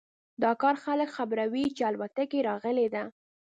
دا کار خلک خبروي چې الوتکه راغلی ده